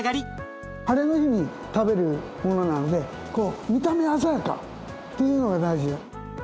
ハレの日に食べるものなのでこう見た目鮮やかっていうのが大事。